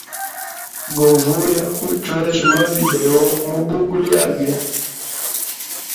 Go vuya uchwejya ma video mu bugo lyage.